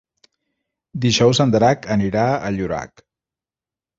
Dijous en Drac anirà a Llorac.